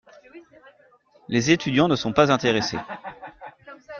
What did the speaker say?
Les étudiants ne sont pas intéressés.